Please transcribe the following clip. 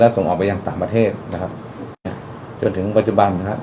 ส่งออกไปยังต่างประเทศนะครับเนี่ยจนถึงปัจจุบันนะครับ